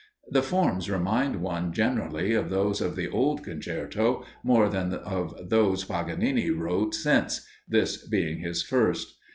The forms remind one generally of those of the old concerto, more than of those Paganini wrote since, this being his first.